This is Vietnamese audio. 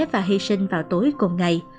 và hy sinh vào tối cùng ngày